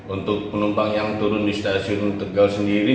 untuk penumpang yang turun di stasiun tegal sendiri